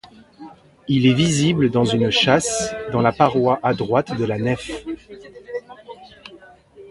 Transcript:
Il est visible dans une châsse dans la paroi à droite de la nef.